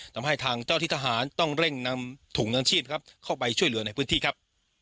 ทำให้ทางเจ้าที่ทหารต้องเร่งนำถุงยังชีพครับเข้าไปช่วยเหลือในพื้นที่ครับ